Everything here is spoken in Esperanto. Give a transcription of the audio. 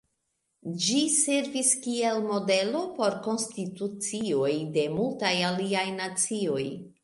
Ĝi servis kiel modelo por konstitucioj de multaj aliaj nacioj.